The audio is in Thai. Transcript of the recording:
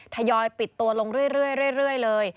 ทยอยปิดตัวลงเรื่อยเลย